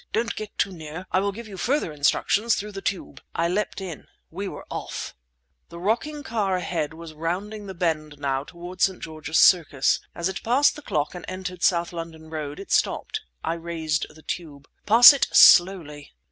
Don't get too near. I will give you further instructions through the tube." I leapt in. We were off! The rocking car ahead was rounding the bend now toward St. George's Circus. As it passed the clock and entered South London Road it stopped. I raised the tube. "Pass it slowly!"